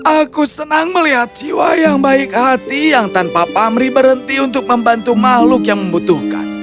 aku senang melihat jiwa yang baik hati yang tanpa pamri berhenti untuk membantu makhluk yang membutuhkan